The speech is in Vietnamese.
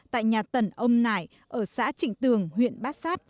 tại nhà tần ông nải ở xã trịnh tường huyện bát sát